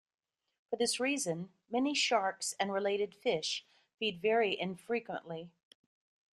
For this reason, many sharks and related fish feed very infrequently.